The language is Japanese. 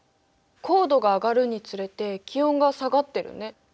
高度が上がるにつれて気温が下がってるね。